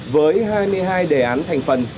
với hai mươi hai đề án thành phần